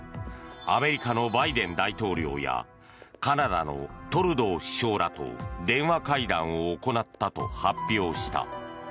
アメリカのバイデン大統領やカナダのトルドー首相らと電話会談を行ったと発表した。